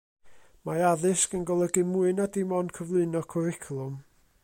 Mae addysg yn golygu mwy na dim ond cyflwyno cwricwlwm.